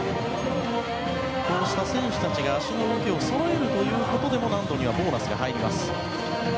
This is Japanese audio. こうした選手たちが脚の動きをそろえるというところでも難度にはボーナスが入ります。